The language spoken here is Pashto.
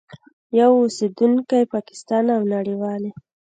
یو اوسېدونکی پاکستان او نړیوالي